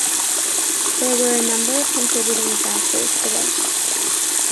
There were a number of contributing factors to this.